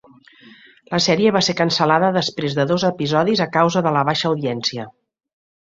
La sèrie va ser cancel·lada després de dos episodis a causa de la baixa audiència.